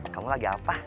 kamu lagi apa